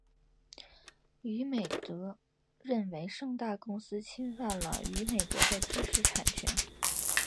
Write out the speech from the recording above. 娱美德认为盛大公司侵犯了娱美德的知识产权。